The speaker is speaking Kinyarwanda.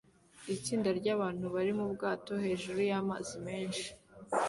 Itsinda ryabantu bari mubwato hejuru yamazi menshi